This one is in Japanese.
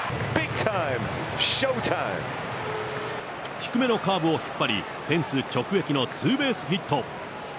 低めのカーブを引っ張り、フェンス直撃のツーベースヒット。